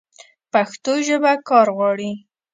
پښتو ژبه کار غواړي.